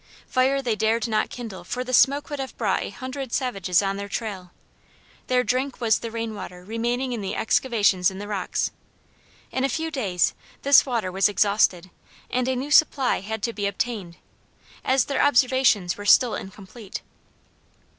Fire they dared not kindle for the smoke would have brought a hundred savages on their trail. Their drink was the rain water remaining in the excavations in the rocks. In a few days this water was exhausted, and a new supply had to be obtained, as their observations were still incomplete.